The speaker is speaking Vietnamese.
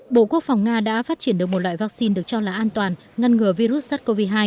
bộ quốc phòng nga đã phát triển được một loại vaccine được cho là an toàn ngăn ngừa virus sars cov hai